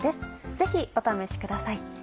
ぜひお試しください。